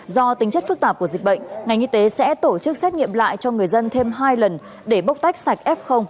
do tính chất phức tạp của dịch bệnh ngành y tế sẽ tổ chức xét nghiệm lại cho người dân thêm hai lần để bốc tách sạch f ra khỏi cộng đồng